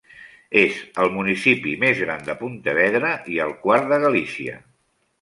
És el municipi més gran de Pontevedra, i el quart de Galícia.